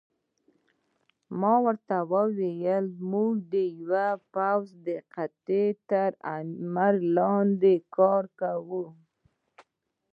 ما ورته وویل: موږ د یوې پوځي قطعې تر امر لاندې کار کوو.